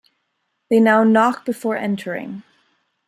They now knock before entering.